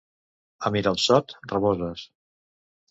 A Miralsot, raboses.